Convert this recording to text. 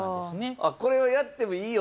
あっこれをやってもいいよと。